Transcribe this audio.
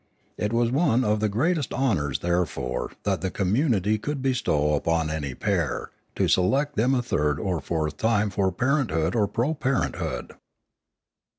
It was one of the greatest honours therefore that the community could bestow upon any pair, to select them a third or fourth time for parenthood or proparenthood.